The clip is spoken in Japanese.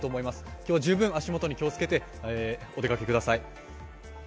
今日は十分、足元に気をつけてお出かけください。